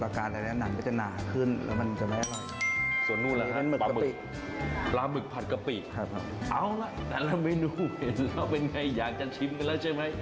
เอาละต่างหลังเมนูเจ็บแล้วเป็นไงอยากจะชิมกันแล้วใช่มั้ย